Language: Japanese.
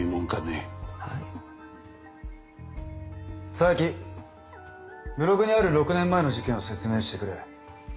佐伯ブログにある６年前の事件を説明してくれ。